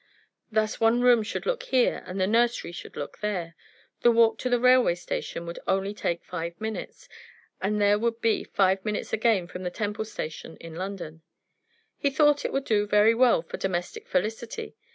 Thus one room should look here, and the nursery should look there. The walk to the railway would only take five minutes, and there would be five minutes again from the Temple Station in London. He thought it would do very well for domestic felicity.